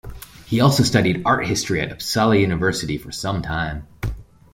He also studied art history at Uppsala University for some time.